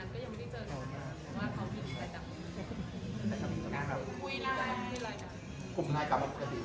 คือเหมือนว่าพวกเราจะต่างคนต่างไม่ต้องยิบกันไป